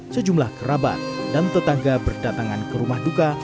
sejumlah kerabat dan tetangga berdatangan ke rumah duka